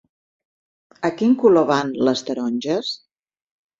A quin color van les taronges?